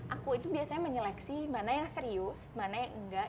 aku itu biasanya menyeleksi mana yang serius mana yang enggak